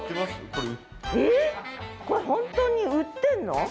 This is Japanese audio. これ本当に売ってんの？